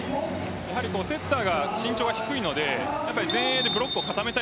セッターが身長が低いので前衛でブロックを固めたい。